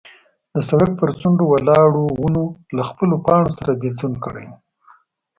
د سړک پر څنډو ولاړو ونو له خپلو پاڼو سره بېلتون کړی و.